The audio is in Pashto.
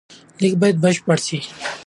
لیک باید بشپړ سي.